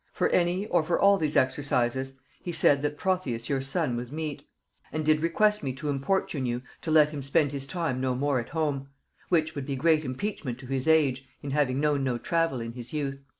For any or for all these exercises, He said, that Protheus your son was meet: And did request me to importune you To let him spend his time no more at home; Which would be great impeachment to his age, In having known no travel in his youth."